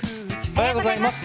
おはようございます。